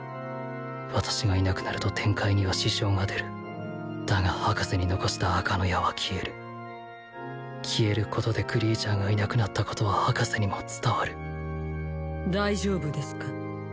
私がいなくなると天界には支障が出るだが博士に残した赤の矢は消える消えることでクリーチャーがいなくなったことは博士にも伝わる大丈夫ですか？